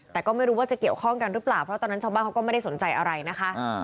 แต่ก็ไม่รู้ว่าจะเกี่ยวข้องกันหรือเปล่าเพราะตอนนั้นชาวบ้านเขาก็ไม่ได้สนใจอะไรนะคะ